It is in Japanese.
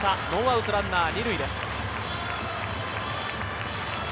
ノーアウトランナー２塁です。